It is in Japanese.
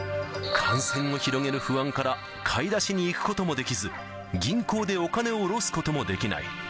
感染を広げる不安から、買い出しに行くこともできず、銀行でお金を下ろすこともできない。